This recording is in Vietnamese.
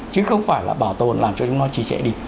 chứ không phải là bảo tồn làm cho chúng ta trì trẻ đi